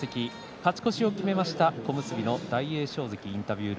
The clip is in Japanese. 勝ち越しを決めました小結の大栄翔関です。